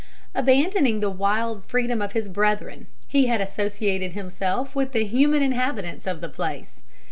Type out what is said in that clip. Abandoning the wild freedom of his brethren, he had associated himself with the human inhabitants of the place.